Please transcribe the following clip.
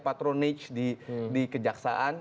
patronage di kejaksaan